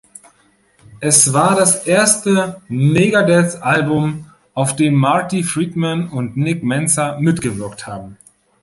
Es war das erste Megadeth-Album, auf dem Marty Friedman und Nick Menza mitgewirkt haben.